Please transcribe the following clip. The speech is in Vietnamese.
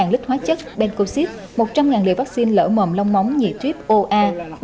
hai mươi lít hóa chất bencosip một trăm linh liều vắc xin lỡ mầm long móng nhiệt riếp oa